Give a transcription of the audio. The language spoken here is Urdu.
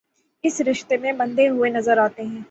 اس رشتے میں بندھے ہوئے نظرآتے ہیں